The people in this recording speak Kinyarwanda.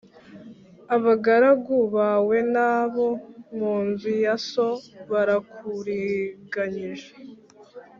Abagaragu bawe n’abo mu nzu ya so barakuriganyije